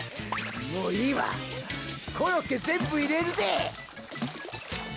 もういいわコロッケ全部入れるで。